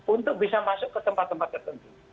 untuk bisa masuk ke tempat tempat tertentu